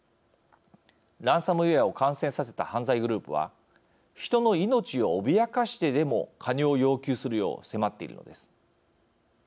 ランサムウェアを感染させた犯罪グループは人の命を脅かしてでも、金を要求するよう迫っているのです。